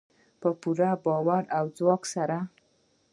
په پوره باور او ځواک سره.